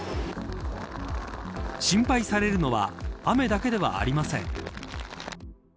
心配されるのは雨だけではありません。